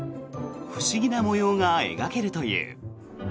不思議な模様が描けるという。